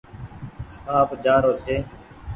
سآنپ جآ رو ڇي۔